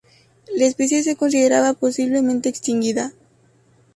La especie se consideraba posiblemente extinguida.